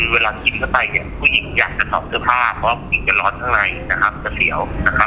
เวลาคิดเข้าไปผู้หญิงอยากจะสอบเทือผ้าเพราะว่าผู้หญิงจะร้อนข้างในจะเสียว